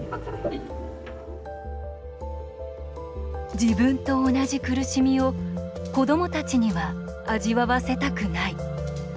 自分と同じ苦しみを子どもたちには味わわせたくない。